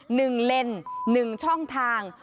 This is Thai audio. หนึ่งเลนหนึ่งช่องทาง